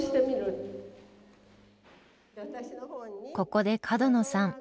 ここで角野さん